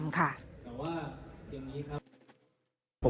แต่ว่าอย่างนี้ครับ